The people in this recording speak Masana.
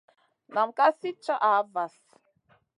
Nam ka sli caha vahl.